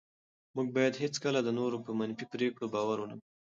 موږ باید هېڅکله د نورو په منفي پرېکړو باور ونه کړو.